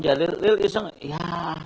tuh saya telepon ya